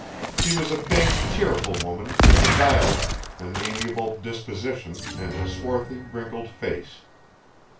She was a big, cheerful woman, with a dialect, an amiable disposition and a swarthy, wrinkled face.